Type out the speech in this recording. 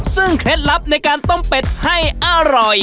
ซึ่งเคล็ดลับในการต้มเป็ดให้อร่อย